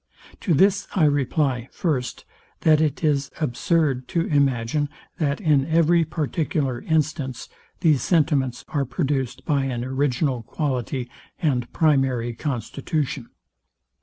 To this I reply, first, that it is absurd to imagine, that in every particular instance, these sentiments are produced by an original quality and primary constitution.